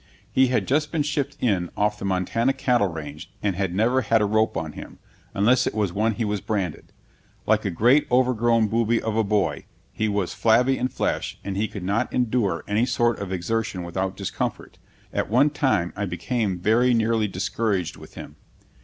He had just been shipped in off the Montana cattle range and had never had a rope on him, unless it was when he was branded. Like a great over grown booby of a boy, he was flabby in flesh, and he could not endure any sort of exertion without discomfort. At one time I became very nearly discouraged with him.